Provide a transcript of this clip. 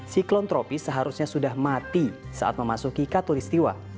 siklon tropis seharusnya sudah mati saat memasuki katolistiwa